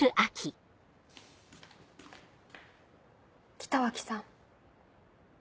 北脇さん。